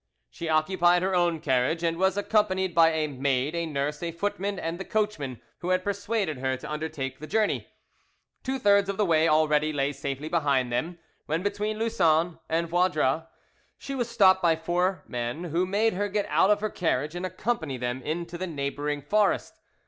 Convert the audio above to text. She occupied her own carriage, and was accompanied by a maid, a nurse, a footman, and the coachman who had persuaded her to undertake the journey. Two thirds of the way already lay safely behind them, when between Lussan and Vaudras she was stopped by four, men, who made her get out of her carriage and accompany them into the neighbouring forest.